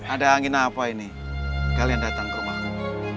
ada angin apa ini kalian datang ke rumahmu